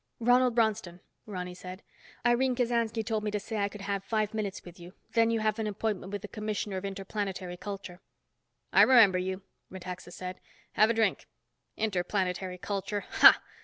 "Ronald Bronston," Ronny said. "Irene Kasansky told me to say I could have five minutes with you, then you have an appointment with the Commissioner of Interplanetary Culture." "I remember you," Metaxa said. "Have a drink. Interplanetary Culture, ha!